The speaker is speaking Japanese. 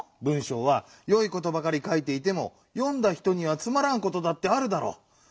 文しょうはよいことばかりかいていてもよんだ人にはつまらんことだってあるだろう。